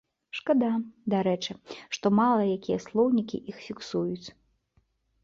Шкада, дарэчы, што мала якія слоўнікі іх фіксуюць.